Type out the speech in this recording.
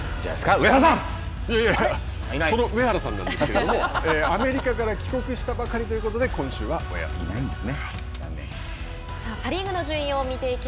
上原さんなんですけれども、アメリカから帰国したばかりということで今週はお休みですね。